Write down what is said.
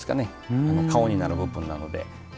顔になる部分なので。